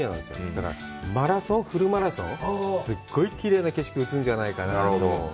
だから、フルマラソン、すごいきれいな景色映るんじゃないかな。